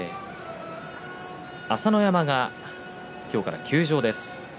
朝乃山が今日から休場です。